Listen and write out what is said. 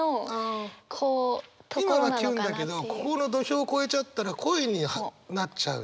今はキュンだけどここの土俵を越えちゃったら恋になっちゃう？